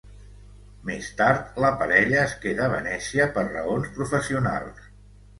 Més tard, la parella es queda a Venècia per raons professionals.